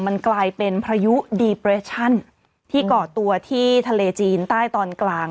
มันกลายเป็นพายุที่ก่อตัวที่ทะเลจีนใต้ตอนกลาง